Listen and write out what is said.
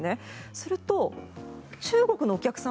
すると、中国のお客さん